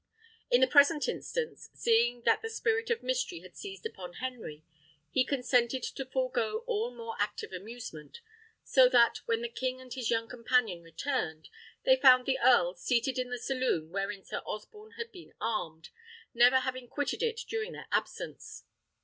In the present instance, seeing that the spirit of mystery had seized upon Henry, he consented to forego all more active amusement; so that, when the king and his young companion returned, they found the earl seated in the saloon wherein Sir Osborne had been armed, never having quitted it during their absence.